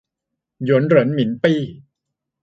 หยวนเหรินหมินปี้